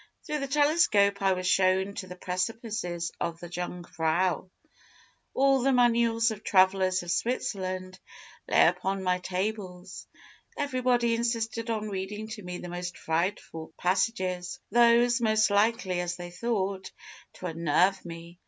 Through the telescope I was shown the precipices of the Jungfrau. All the manuals of travellers of Switzerland lay upon my tables. Everybody insisted on reading to me the most frightful passages those most likely, as they thought, to unnerve me.